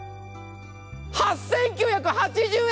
８９８０円。